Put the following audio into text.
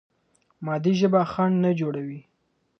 مادي ژبه خنډ نه جوړوي.